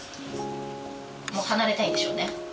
もう離れたいんでしょうね。